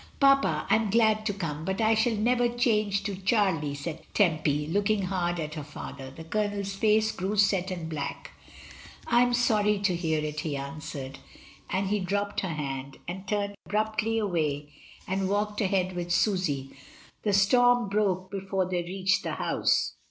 "Papa, I am glad to come, but I shall never change to Charlie," said Tempy, looking hard at her father. The Colonel's face grew set and black — "I am sorry to hear it," he answered, and he dropped her hand, and turned abruptly away and walked ahead with Susy. The storm broke before they reached the house.